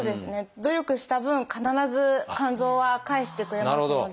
努力した分必ず肝臓は返してくれますので。